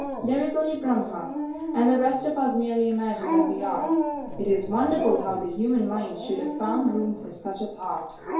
There is only Brahma, and the rest of us merely imagine that we are, it is wonderful how the human mind should have found room for such a thought.